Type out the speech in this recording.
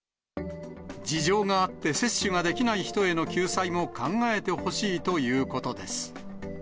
事情があって接種ができない人への救済も考えてほしいということです。